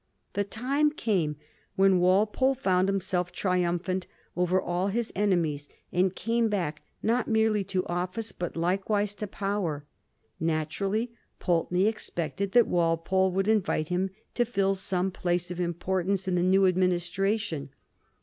The time came when Walpole found himself triumphant over all his enemies, and came back not merely to office, but likewise to power. Naturally, Pulteney expected that Walpole would invite him to fill some place of importance in the new administration.